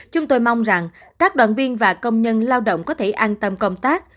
chúng tôi mong rằng các đoàn viên và công nhân lao động có thể an tâm công tác